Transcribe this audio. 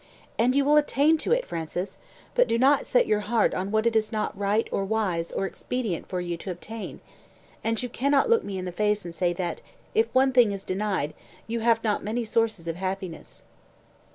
"And you will attain to it, Francis! but do not set your heart on what it is not right, or wise, or expedient for you to obtain. And you cannot look me in the face and say that, if one thing is denied, you have not many sources of happiness."